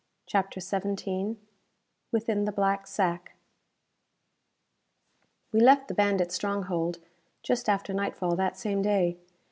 CHAPTER XVII Within the Black Sack We left the bandit stronghold just after nightfall that same day.